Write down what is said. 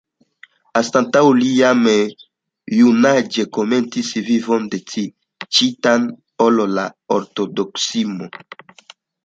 Anstataŭe, li jam junaĝe komencis vivon dediĉitan al la ortodoksismo.